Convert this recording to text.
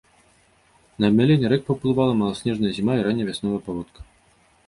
На абмяленне рэк паўплывала маласнежная зіма і ранняя вясновая паводка.